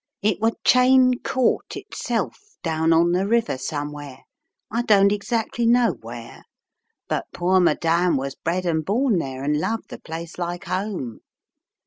It were Cheyne Court itself down on the river somewhere, I don't exactly know where, but poor * Madame' was bred and born there, and loved the place like ome.